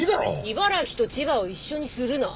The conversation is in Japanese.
茨城と千葉を一緒にするな。